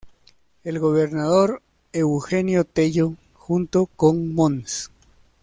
El gobernador Eugenio Tello junto con Mons.